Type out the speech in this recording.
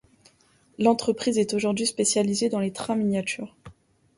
L'entreprise est aujourd'hui spécialisée dans les trains miniatures.